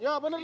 ya bener kan